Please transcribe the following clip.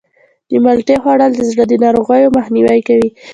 د مالټې خوړل د زړه د ناروغیو مخنیوی کوي.